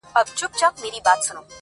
که غواړې راتلونکی دې روښانه وي